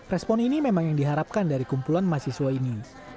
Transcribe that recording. respon ini memang yang diharapkan dari kumpulan mahasiswa ini